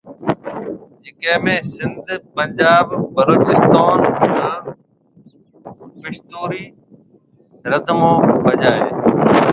جڪي ۾ سنڌ، پنجاب، بلوچستون، ھان پشتو ري رڌمون بجائي